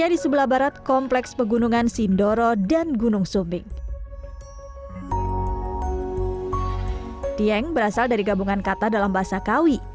dieng berasal dari gabungan kata dalam bahasa kawi